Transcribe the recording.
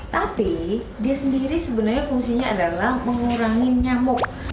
tapi dia sendiri sebenarnya fungsinya adalah mengusir